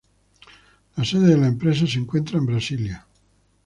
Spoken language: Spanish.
La sede de la empresa se encuentra en Brasilia.